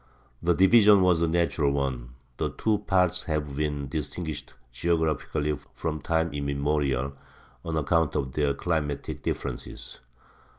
The division was a natural one; the two parts have been distinguished geographically from time immemorial, on account of their climatic differences.